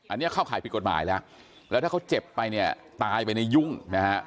อันนี้เข้าข่ายผิดกฎหมายแล้วแล้วถ้าเขาเจ็บไปเนี่ยตายไปเนี่ยยุ่งนะฮะ